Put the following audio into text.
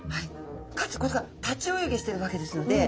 かつこいつが立ち泳ぎしてるわけですので。